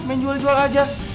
main jual jual aja